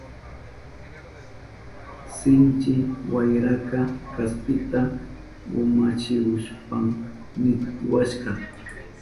Sinchi wayraka kaspita urmachihushpan nitiwashka.